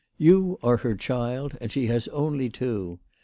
You are her child, and she has only two.